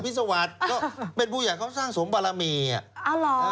พิษวาสก็เป็นผู้ใหญ่เขาสร้างสมบารมีอ่ะ